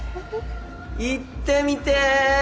行ってみてぇ。